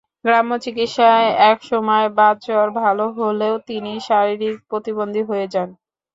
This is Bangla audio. গ্রাম্য চিকিৎসায় একসময় বাতজ্বর ভালো হলেও তিনি শারীরিক প্রতিবন্ধী হয়ে যান।